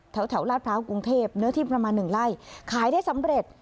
แถวลาดพร้าวกรุงเทพเนื้อที่ประมาณ๑ไร่ขายได้สำเร็จ